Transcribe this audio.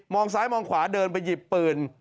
ซ้ายมองขวาเดินไปหยิบปืน